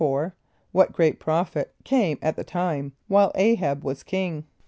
= What great prophet came at the time while [=A]´h[)a]b was king?